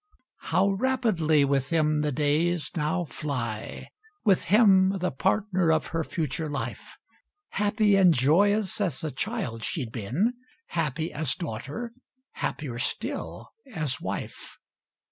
How rapidly with him the days now fly, With him the partner of her future life; Happy and joyous as a child she'd been, Happy as daughter, happier still as wife.